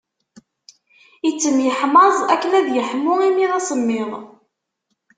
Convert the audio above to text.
Ittemyeḥmaẓ akken ad yeḥmu imi d asemmiḍ.